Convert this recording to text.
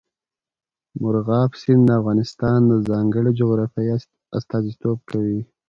مورغاب سیند د افغانستان د ځانګړي جغرافیه استازیتوب کوي.